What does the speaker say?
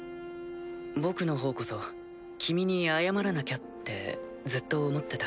僕の方こそ君に謝らなきゃってずっと思ってた。